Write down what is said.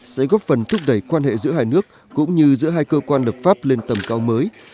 sẽ góp phần thúc đẩy quan hệ giữa hai nước cũng như giữa hai cơ quan lập pháp lên tầm cao mới